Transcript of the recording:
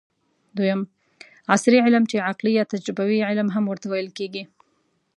دویم : عصري علم چې عقلي یا تجربوي علم هم ورته ويل کېږي